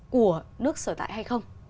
của nước sở tại hay không